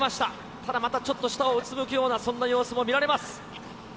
ただまたちょっと下をうつむくような、そんな様子も見られます。